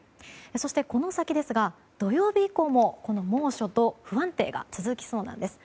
そして、この先ですが土曜日以降もこの猛暑と不安定が続きそうなんです。